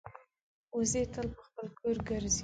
وزې تل پر خپل کور ګرځي